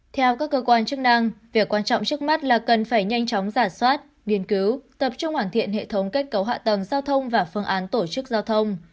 theo các cơ quan chức năng việc quan trọng trước mắt là cần phải nhanh chóng giả soát nghiên cứu tập trung hoàn thiện hệ thống kết cấu hạ tầng giao thông và phương án tổ chức giao thông